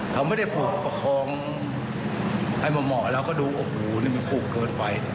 เขาไม่ได้ผูกประคองให้เหมาะเราก็ดูโอ้โหนี่มันผูกเกินไป